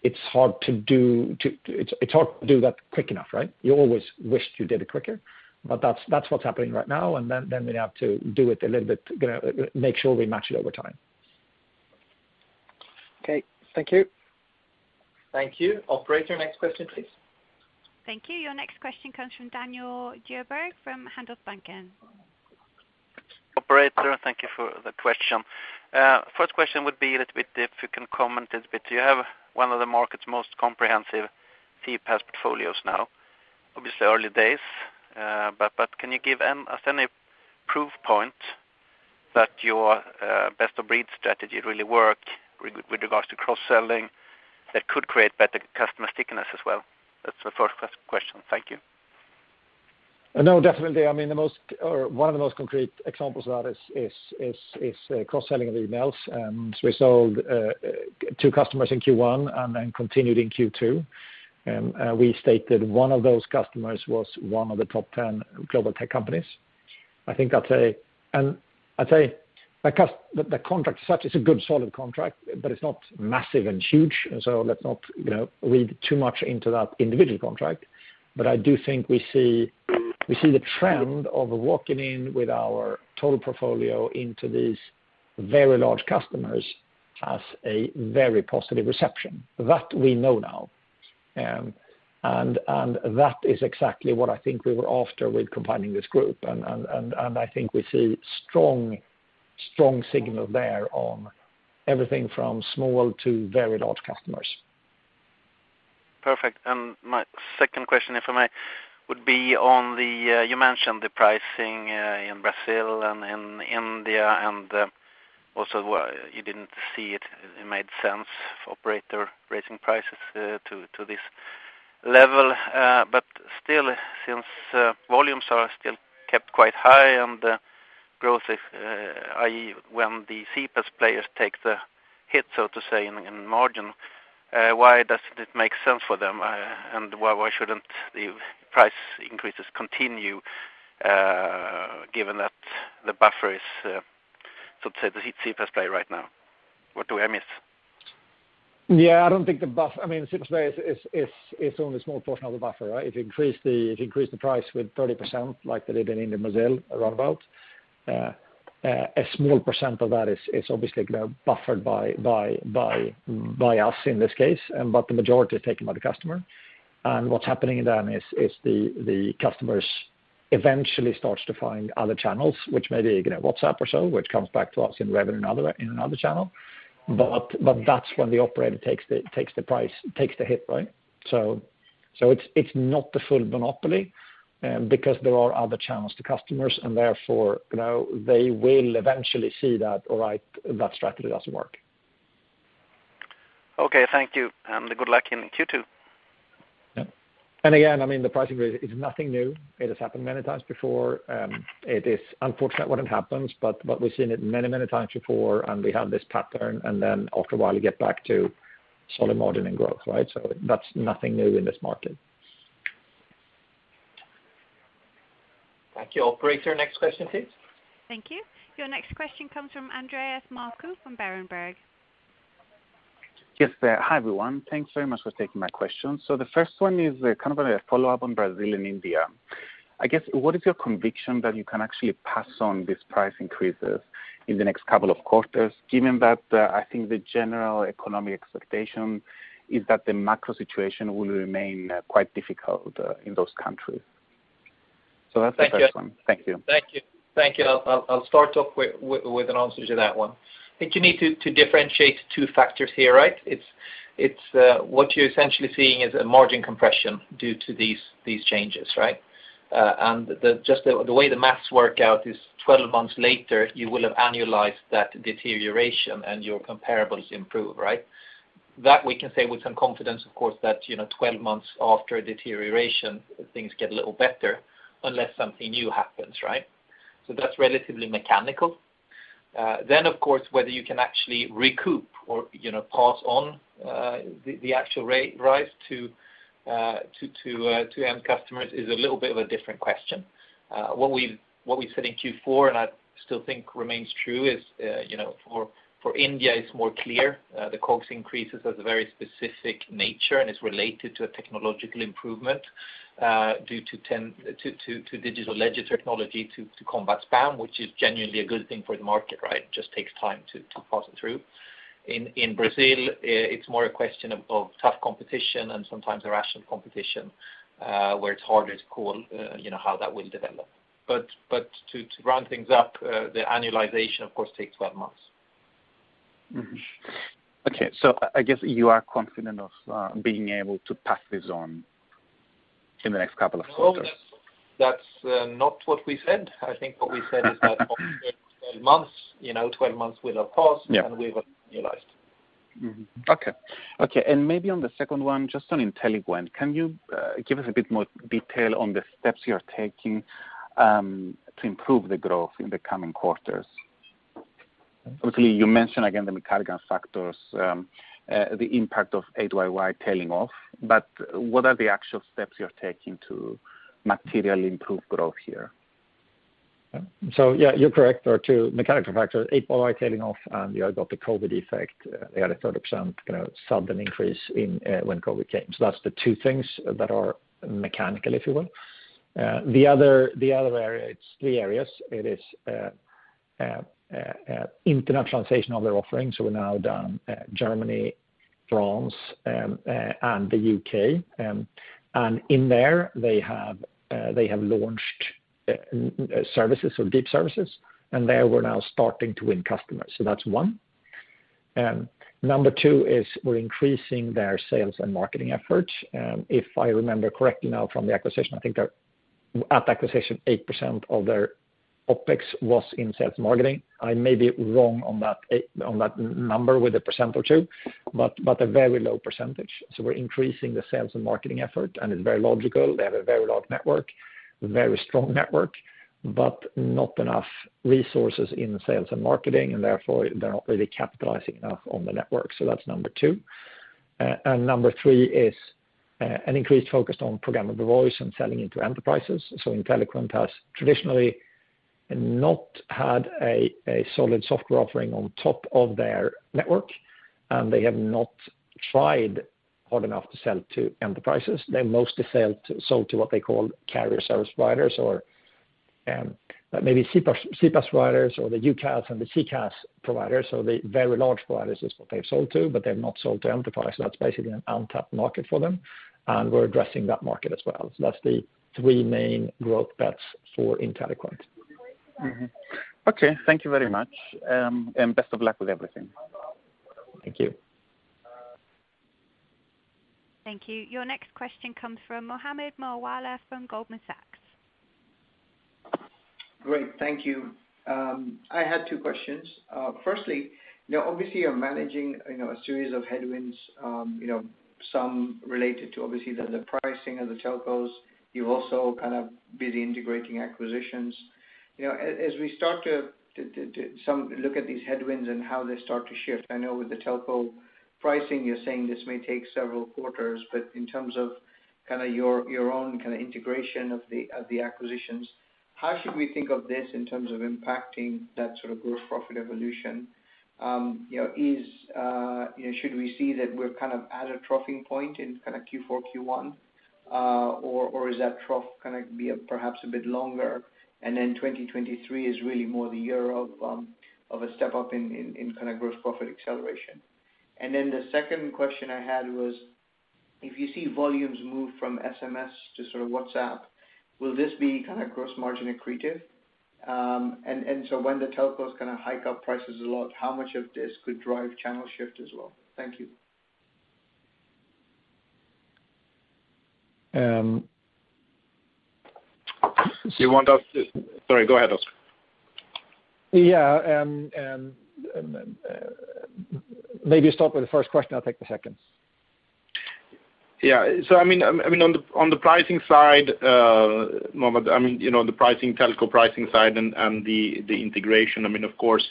It's hard to do that quick enough, right? You always wished you did it quicker, but that's what's happening right now, and then we have to do it a little bit, you know, make sure we match it over time. Okay. Thank you. Thank you. Operator, next question, please. Thank you. Your next question comes from Daniel Djurberg from Handelsbanken. Operator, thank you for the question. First question would be a little bit if you can comment a little bit. You have one of the market's most comprehensive CPaaS portfolios now, obviously early days, but can you give us any proof point that your best of breed strategy really work with regards to cross-selling that could create better customer stickiness as well? That's the first question. Thank you. No, definitely. I mean, the most or one of the most concrete examples of that is cross-selling of emails, and we sold two customers in Q1 and then continued in Q2. We stated one of those customers was one of the top ten global tech companies. I think I'd say the contract as such is a good solid contract, but it's not massive and huge, so let's not, you know, read too much into that individual contract. I do think we see the trend of walking in with our total portfolio into these very large customers as a very positive reception. That we know now. That is exactly what I think we were after with combining this group. I think we see strong signal there on everything from small to very large customers. Perfect. My second question, if I may, would be on the you mentioned the pricing in Brazil and in India, and also it made sense for operator raising prices to this level. But still, since volumes are still kept quite high and the growth is, i.e., when the CPaaS players take the hit, so to say, in margin, why doesn't it make sense for them? Why shouldn't the price increases continue, given that the buffer is, so to say, the CPaaS player right now? What do I miss? Yeah, I don't think—I mean, CPaaS is only a small portion of the buffer, right? If you increase the price with 30% like they did in India and Brazil, a small percent of that is obviously gonna be buffered by us in this case, but the majority is taken by the customer. What's happening then is the customers eventually starts to find other channels, which may be, you know, WhatsApp or so, which comes back to us in revenue in another channel. That's when the operator takes the price, takes the hit, right? It's not the full monopoly, because there are other channels to customers, and therefore, you know, they will eventually see that, all right, that strategy doesn't work. Okay. Thank you, and good luck in Q2. Yeah. Again, I mean, the pricing is nothing new. It has happened many times before. It is unfortunate when it happens, but we've seen it many times before, and we have this pattern, and then after a while you get back to solid margin and growth, right? That's nothing new in this market. Thank you. Operator, next question, please. Thank you. Your next question comes from Andreas Markou from Berenberg. Yes. Hi, everyone. Thanks very much for taking my question. The first one is kind of a follow-up on Brazil and India. I guess, what is your conviction that you can actually pass on these price increases in the next couple of quarters, given that, I think the general economic expectation is that the macro situation will remain, quite difficult, in those countries? That's the first one. Thank you. Thank you. Thank you. I'll start off with an answer to that one. I think you need to differentiate two factors here, right? It's what you're essentially seeing is a margin compression due to these changes, right? Just the way the math works out is 12 months later, you will have annualized that deterioration and your comparables improve, right? That we can say with some confidence, of course, that, you know, 12 months after a deterioration, things get a little better unless something new happens, right? That's relatively mechanical. Of course, whether you can actually recoup or, you know, pass on, the actual rate rise to end customers is a little bit of a different question. What we've said in Q4, and I still think remains true, is, you know, for India it's more clear. The COGS increases has a very specific nature and is related to a technological improvement, due to digital ledger technology to combat spam, which is genuinely a good thing for the market, right? It just takes time to pass it through. In Brazil, it's more a question of tough competition and sometimes irrational competition, where it's harder to call, you know, how that will develop. To round things up, the annualization, of course, takes 12 months. Mm-hmm. Okay. I guess you are confident of being able to pass this on in the next couple of quarters? No, that's not what we said. I think what we said is that after 12 months, you know, 12 months will have passed. Yeah. We will annualize. Okay, maybe on the second one, just on Inteliquent, can you give us a bit more detail on the steps you are taking to improve the growth in the coming quarters? Obviously, you mentioned again the mechanical factors, the impact of 8YY tailing off, but what are the actual steps you're taking to materially improve growth here? Yeah, you're correct. There are two mechanical factors, 8YY tailing off, and you have got the COVID effect, the other third of percent sudden increase in when COVID came. That's the two things that are mechanical, if you will. The other area, it's three areas. It is internationalization of their offerings. We're now in Germany, France, and the U.K. And in there, they have launched services or deep services, and there we're now starting to win customers. That's one. Number two is we're increasing their sales and marketing efforts. If I remember correctly now from the acquisition, I think they're at the acquisition, 8% of their OpEx was in sales and marketing. I may be wrong on that 8YY number with 1% or 2%, but a very low percentage. We're increasing the sales and marketing effort, and it's very logical. They have a very large network, a very strong network, but not enough resources in sales and marketing, and therefore they're not really capitalizing enough on the network. That's number two. Number three is an increased focus on programmable voice and selling into enterprises. Inteliquent has traditionally not had a solid software offering on top of their network, and they have not tried hard enough to sell to enterprises. They mostly sell to what they call carrier service providers or maybe CPaaS providers or the UCaaS and the CCaaS providers. The very large providers is what they've sold to, but they've not sold to enterprise. That's basically an untapped market for them, and we're addressing that market as well. That's the three main growth bets for Inteliquent. Mm-hmm. Okay. Thank you very much. Best of luck with everything. Thank you. Thank you. Your next question comes from Mohammed Moawalla from Goldman Sachs. Great. Thank you. I had two questions. Firstly, you know, obviously you're managing, you know, a series of headwinds, you know, some related to obviously the pricing of the telcos. You're also kind of busy integrating acquisitions. You know, as we start to somewhat look at these headwinds and how they start to shift, I know with the telco pricing, you're saying this may take several quarters, but in terms of kinda your own kinda integration of the acquisitions, how should we think of this in terms of impacting that sort of growth profit evolution? You know, should we see that we're kind of at a troughing point in kind of Q4, Q1? Is that trough gonna be perhaps a bit longer, and then 2023 is really more the year of a step up in kind of growth profit acceleration? The second question I had was, if you see volumes move from SMS to sort of WhatsApp, will this be kind of gross margin accretive? When the telcos kind of hike up prices a lot, how much of this could drive channel shift as well? Thank you. Um. Do you want us to? Sorry, go ahead, Oscar. Yeah. Maybe start with the first question. I'll take the second. I mean, on the pricing side, Mohammed, I mean, you know, the pricing, telco pricing side and the integration, I mean, of course,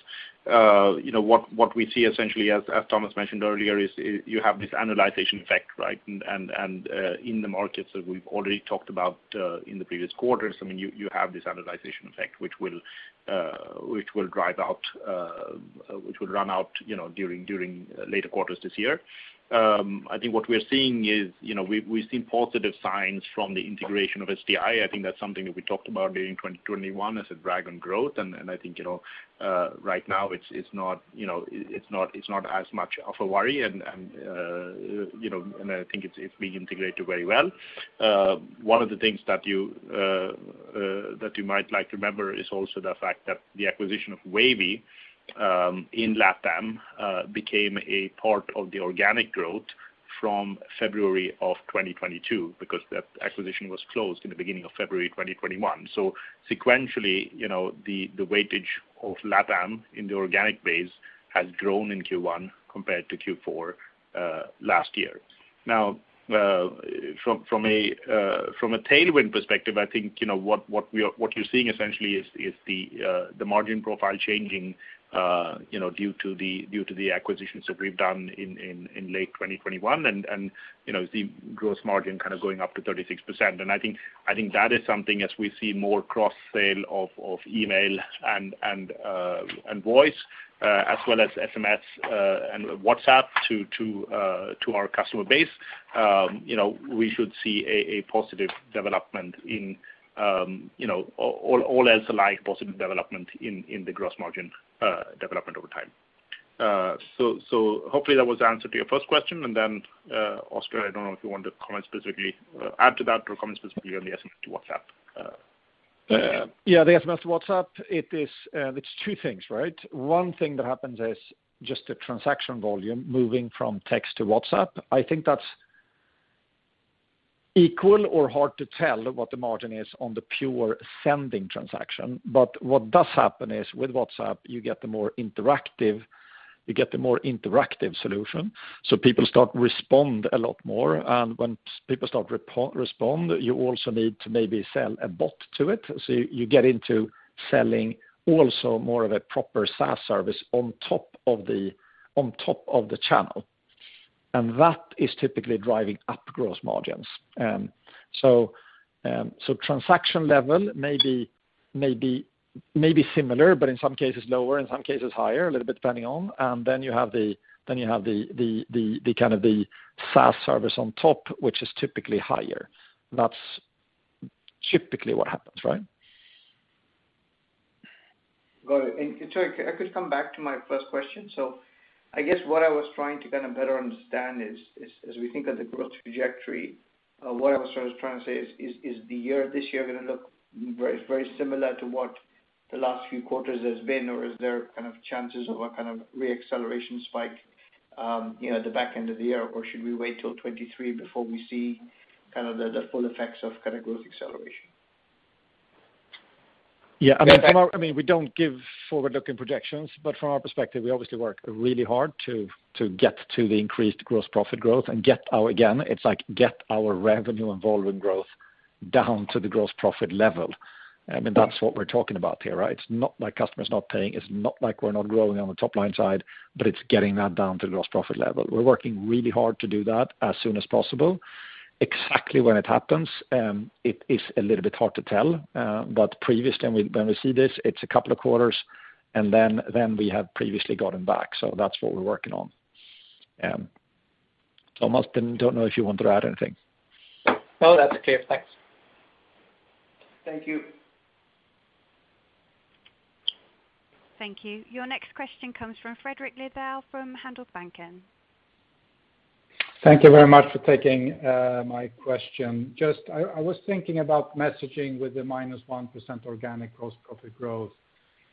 you know, what we see essentially as Thomas mentioned earlier, is you have this annualization effect, right? And in the markets that we've already talked about in the previous quarters, I mean, you have this annualization effect, which will run out, you know, during later quarters this year. I think what we're seeing is, you know, we've seen positive signs from the integration of SDI. I think that's something that we talked about during 2021 as a drag on growth. I think, you know, right now it's not, you know, it's not as much of a worry and, you know, and I think it's being integrated very well. One of the things that you might like to remember is also the fact that the acquisition of Wavy in LatAm became a part of the organic growth. From February of 2022, because that acquisition was closed in the beginning of February 2021. Sequentially, you know, the weightage of LatAm in the organic base has grown in Q1 compared to Q4 last year. From a tailwind perspective, I think, you know, what you're seeing essentially is the margin profile changing, you know, due to the acquisitions that we've done in late 2021 and, you know, the gross margin kind of going up to 36%. I think that is something as we see more cross sale of email and voice as well as SMS and WhatsApp to our customer base. You know, we should see a positive development in, you know, all else alike, positive development in the gross margin development over time. Hopefully that was the answer to your first question. Oscar, I don't know if you want to comment specifically, add to that or comment specifically on the SMS to WhatsApp. Yeah. The SMS to WhatsApp, it is, it's two things, right? One thing that happens is just the transaction volume moving from text to WhatsApp. I think that's equal or hard to tell what the margin is on the pure sending transaction. What does happen is, with WhatsApp, you get the more interactive solution. People start respond a lot more. When people start respond, you also need to maybe sell a bot to it. You get into selling also more of a proper SaaS service on top of the channel, and that is typically driving up gross margins. Transaction level may be similar, but in some cases lower, in some cases higher, a little bit depending on. You have the kind of the SaaS service on top, which is typically higher. That's typically what happens, right? Got it. If I could come back to my first question. I guess what I was trying to kinda better understand is as we think of the growth trajectory, what I was trying to say is the year this year gonna look very, very similar to what the last few quarters has been? Or is there kind of chances of a kind of re-acceleration spike, you know, at the back end of the year? Or should we wait till 2023 before we see kind of the full effects of kind of growth acceleration? Yeah. I mean, we don't give forward-looking projections, but from our perspective, we obviously work really hard to get to the increased gross profit growth. Again, it's like, get our revenue involvement growth down to the gross profit level. I mean, that's what we're talking about here, right? It's not like customer's not paying, it's not like we're not growing on the top line side, but it's getting that down to the gross profit level. We're working really hard to do that as soon as possible. Exactly when it happens, it is a little bit hard to tell. But previously when we see this, it's a couple of quarters, and then we have previously gotten back. That's what we're working on. Thomas, I don't know if you wanted to add anything. No, that's clear. Thanks. Thank you. Thank you. Your next question comes from Fredrik Lithell from Handelsbanken. Thank you very much for taking my question. Just I was thinking about messaging with the -1% organic gross profit growth,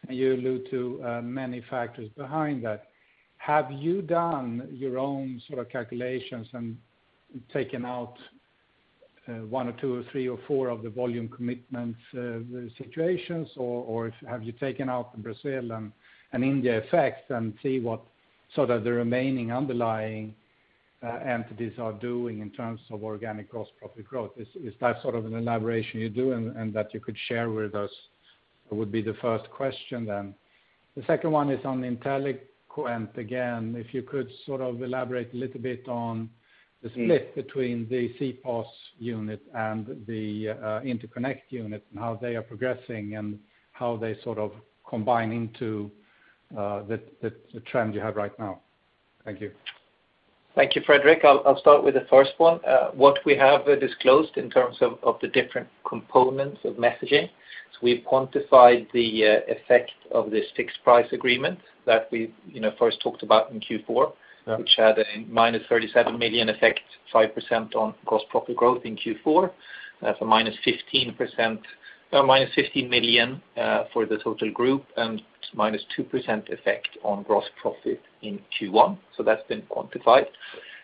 and you allude to many factors behind that. Have you done your own sort of calculations and taken out 1 or 2 or 3 or 4 of the volume commitments situations? Or have you taken out the Brazil and India effects and see what sort of the remaining underlying entities are doing in terms of organic gross profit growth? Is that sort of an elaboration you do and that you could share with us? Would be the first question then. The second one is on Inteliquent again. If you could sort of elaborate a little bit on the split between the CPaaS unit and the interconnect unit and how they are progressing and how they sort of combine into the trend you have right now? Thank you. Thank you, Fredrik. I'll start with the first one. What we have disclosed in terms of the different components of messaging, so we've quantified the effect of this fixed price agreement that we, you know, first talked about in Q4, which had a -37 million effect, 5% on gross profit growth in Q4. So -15 million for the total group and -2% effect on gross profit in Q1. So that's been quantified.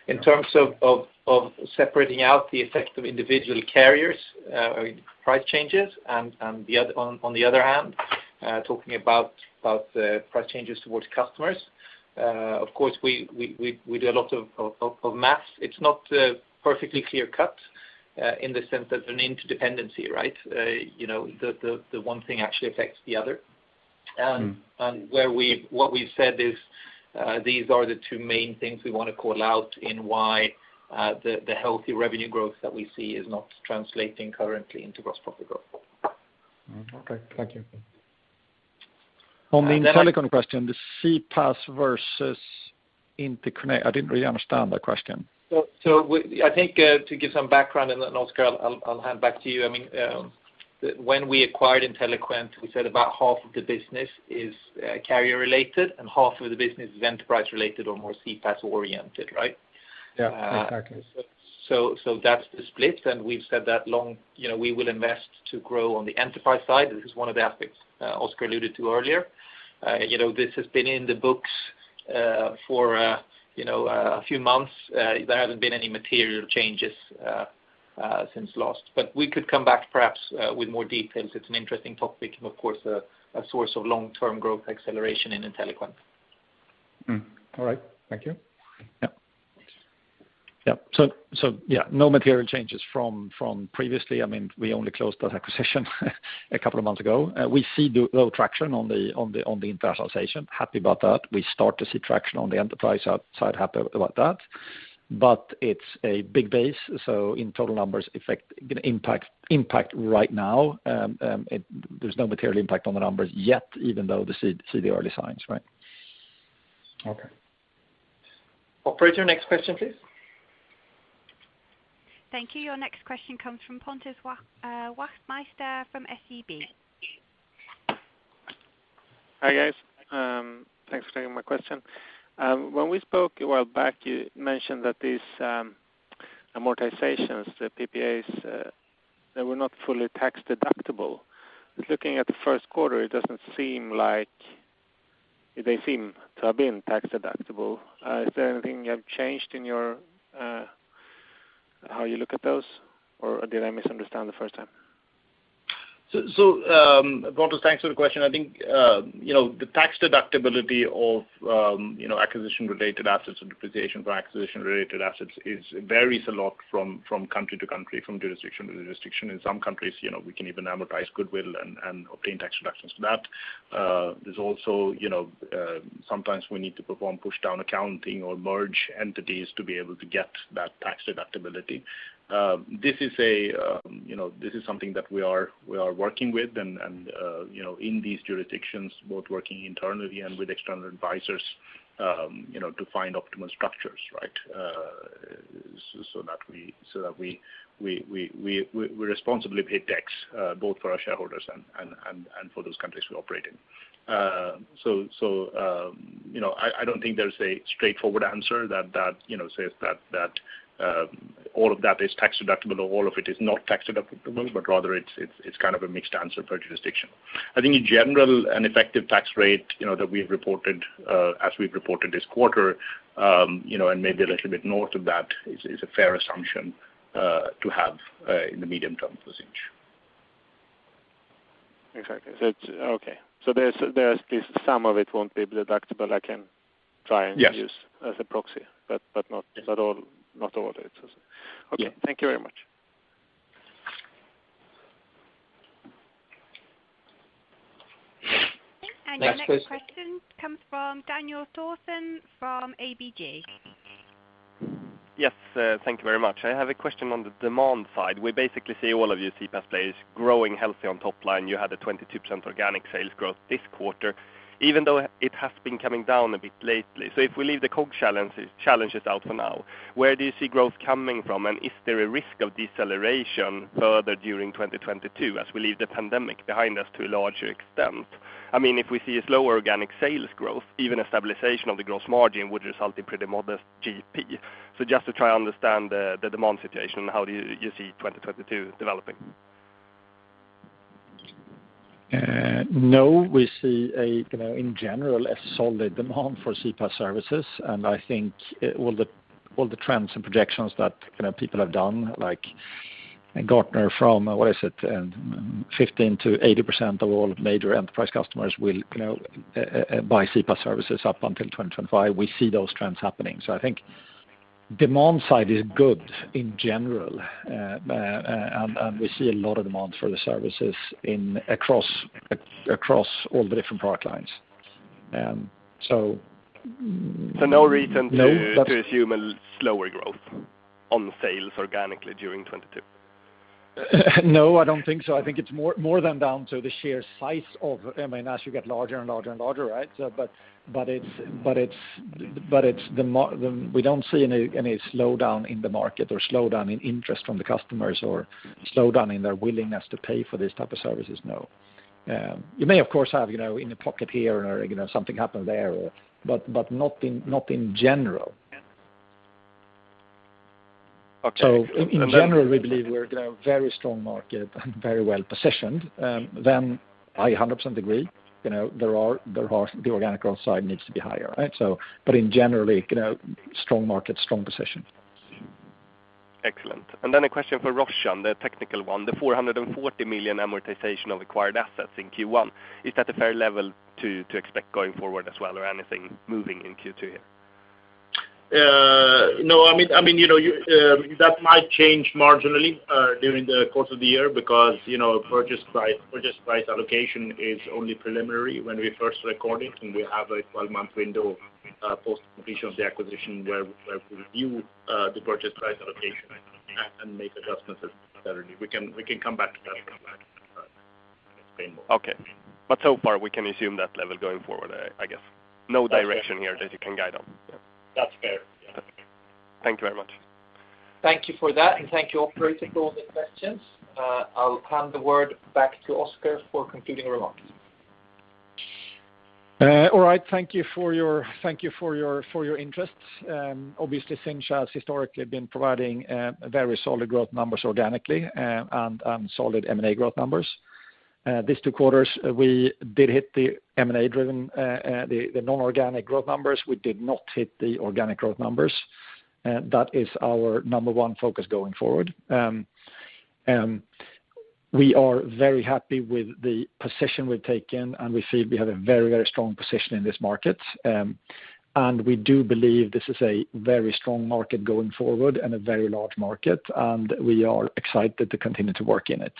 In terms of separating out the effect of individual carriers, I mean, price changes and, on the other hand, talking about price changes towards customers, of course, we do a lot of math. It's not perfectly clear-cut in the sense that an interdependency, right? You know, the one thing actually affects the other. Mm. What we've said is, these are the two main things we wanna call out in why the healthy revenue growth that we see is not translating currently into gross profit growth. Okay. Thank you. On the Inteliquent question, the CPaaS versus interconnect. I didn't really understand that question. I think, to give some background, and then Oscar, I'll hand back to you. I mean, when we acquired Inteliquent, we said about half of the business is carrier related and half of the business is enterprise related or more CPaaS oriented, right? Yeah. Exactly. That's the split, and we've said that long, you know, we will invest to grow on the enterprise side. This is one of the aspects Oscar alluded to earlier. You know, this has been in the books for a few months. There hasn't been any material changes since last. We could come back perhaps with more details. It's an interesting topic and of course a source of long-term growth acceleration in Inteliquent. All right. Thank you. Yeah. Yeah, no material changes from previously. I mean, we only closed that acquisition a couple of months ago. We see the low traction on the internationalization. Happy about that. We start to see traction on the enterprise outside. Happy about that. It's a big base, so in total numbers effect impact right now, there's no material impact on the numbers yet even though they see the early signs, right? Okay. Operator, next question please. Thank you. Your next question comes from Pontus Wachtmeister from SEB. Hi, guys. Thanks for taking my question. When we spoke a while back, you mentioned that these amortizations, the PPAs, they were not fully tax-deductible. Looking at the first quarter, it doesn't seem like they have been tax-deductible. Is there anything you have changed in your how you look at those? Or did I misunderstand the first time? Pontus, thanks for the question. I think you know, the tax deductibility of you know, acquisition-related assets and depreciation for acquisition-related assets varies a lot from country to country, from jurisdiction to jurisdiction. In some countries, you know, we can even amortize goodwill and obtain tax deductions for that. There's also you know, sometimes we need to perform pushdown accounting or merge entities to be able to get that tax deductibility. This is something that we are working with and you know, in these jurisdictions, both working internally and with external advisors you know, to find optimal structures, right? That we responsibly pay tax, both for our shareholders and for those countries we operate in. You know, I don't think there's a straightforward answer that you know says that all of that is tax-deductible or all of it is not tax-deductible, but rather it's kind of a mixed answer per jurisdiction. I think in general, an effective tax rate you know that we've reported as we've reported this quarter you know and maybe a little bit north of that is a fair assumption to have in the medium term for Sinch. Exactly. It's okay. There's at least some of it won't be deductible, I can try and Yes use as a proxy, but not all of it. Yeah. Okay. Thank you very much. Your next question comes from Daniel Thorsson from ABG. Yes, thank you very much. I have a question on the demand side. We basically see all of you CPaaS players growing healthy on top line. You had a 22% organic sales growth this quarter, even though it has been coming down a bit lately. If we leave the COGS challenges out for now, where do you see growth coming from? And is there a risk of deceleration further during 2022 as we leave the pandemic behind us to a larger extent? I mean, if we see a slower organic sales growth, even a stabilization of the gross margin would result in pretty modest GP. Just to try and understand the demand situation, how do you see 2022 developing? No. We see, you know, in general, a solid demand for CPaaS services, and I think all the trends and projections that, you know, people have done, like Gartner from, what is it? 15%-80% of all major enterprise customers will, you know, buy CPaaS services up until 2025. We see those trends happening. I think demand side is good in general, and we see a lot of demand for the services across all the different product lines. So no reason to- No to assume a slower growth on sales organically during 2022? No, I don't think so. I think it's more than down to the sheer size. I mean, as you get larger and larger and larger, right? But it's. We don't see any slowdown in the market or slowdown in interest from the customers or slowdown in their willingness to pay for these type of services, no. You may, of course, have, you know, in a pocket here or, you know, something happen there or not in general. Okay. In general, we believe we're in a very strong market and very well positioned. I 100% agree, you know. The organic growth side needs to be higher, right? In general, you know, strong market, strong position. Excellent. A question for Roshan, the technical one. The 440 million amortization of acquired assets in Q1, is that a fair level to expect going forward as well, or anything moving in Q2 here? No. I mean, you know, that might change marginally during the course of the year because, you know, purchase price allocation is only preliminary when we first record it, and we have a 12-month window post completion of the acquisition where we review the purchase price allocation and make adjustments as necessary. We can come back to that and explain more. Okay. So far, we can assume that level going forward, I guess. No direction here that you can guide on. Yeah. That's fair. Yeah. Thank you very much. Thank you for that, and thank you, operator, for all the questions. I'll hand the word back to Oscar for concluding remarks. All right. Thank you for your interest. Obviously Sinch has historically been providing very solid growth numbers organically and solid M&A growth numbers. These two quarters we did hit the M&A-driven non-organic growth numbers. We did not hit the organic growth numbers. That is our number one focus going forward. We are very happy with the position we've taken, and we see we have a very, very strong position in this market. We do believe this is a very strong market going forward and a very large market, and we are excited to continue to work in it.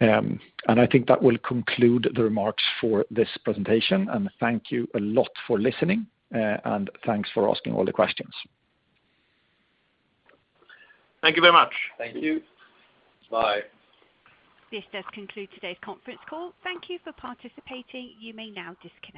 I think that will conclude the remarks for this presentation, and thank you a lot for listening, and thanks for asking all the questions. Thank you very much. Thank you. Bye. This does conclude today's conference call. Thank you for participating. You may now disconnect.